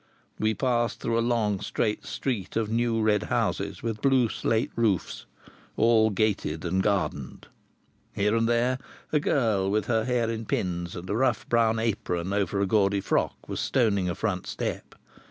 We passed through a long, straight street of new red houses with blue slate roofs, all gated and gardened. Here and there a girl with her hair in pins and a rough brown apron over a gaudy frock was stoning a front step.